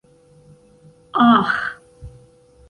aĥ